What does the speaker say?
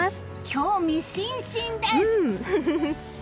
興味津々です！